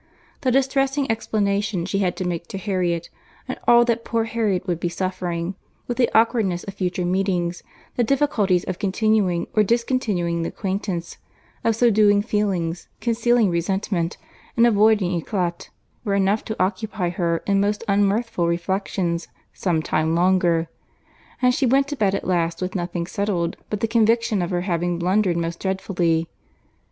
The distressing explanation she had to make to Harriet, and all that poor Harriet would be suffering, with the awkwardness of future meetings, the difficulties of continuing or discontinuing the acquaintance, of subduing feelings, concealing resentment, and avoiding eclat, were enough to occupy her in most unmirthful reflections some time longer, and she went to bed at last with nothing settled but the conviction of her having blundered most dreadfully.